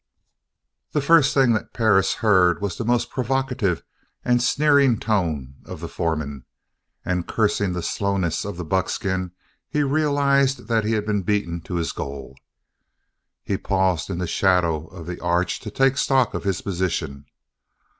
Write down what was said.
The first thing that Perris heard was the most provocative and sneering tone of the foreman, and cursing the slowness of the buckskin, he realized that he had been beaten to his goal. He paused in the shadow of the arch to take stock of his position.